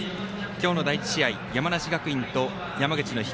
今日の第１試合、山梨学院と山口の光。